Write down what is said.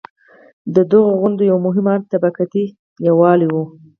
د دغو غونډو یو مهم اړخ طبقاتي یووالی و.